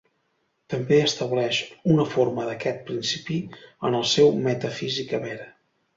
També estableix una forma d'aquest principi en el seu 'Metaphysica vera'.